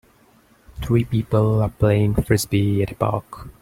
Three people are playing frisbee at a park.